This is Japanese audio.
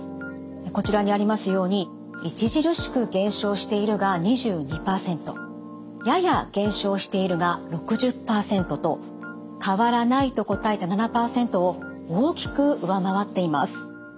こちらにありますように「著しく減少している」が２２％「やや減少している」が６０％と「変わらない」と答えた７％を大きく上回っています。